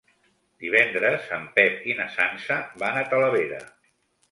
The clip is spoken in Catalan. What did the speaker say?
Divendres en Pep i na Sança van a Talavera.